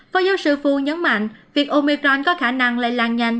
phó giáo sư fu nhấn mạnh việc omicron có khả năng lây lan nhanh